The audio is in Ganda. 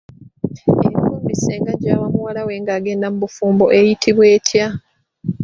Enkumbi ssenga gyawa muwala we ng'agenda mu bufumbo eyitibwa etya?